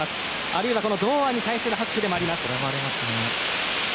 あるいは堂安に対する拍手でもあります。